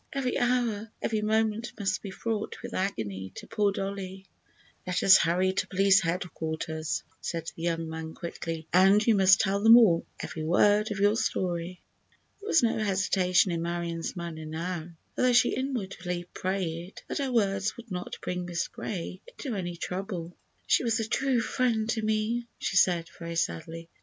Every hour, every moment must be fraught with agony to poor Dollie." "Let us hurry to Police Headquarters," said the young man, quickly, "and you must tell them all—every word of your story." There was no hesitation in Marion's manner now, although she inwardly prayed that her words would not bring Miss Gray into any trouble. "She was a true friend to me," she said, very sadly.